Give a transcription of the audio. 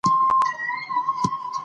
او فرهنګي توازن غوښتونکي دي، نو دا مشروع